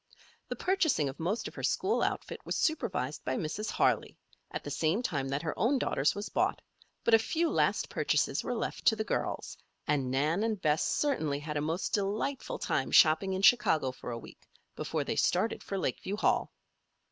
The purchasing of most of her school outfit was supervised by Mrs. Harley, at the same time that her own daughter's was bought, but a few last purchases were left to the girls and Nan and Bess certainly had a most delightful time shopping in Chicago for a week, before they started for Lakeview Hall.